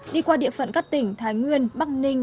đi qua địa phận các tỉnh thái nguyên bắc ninh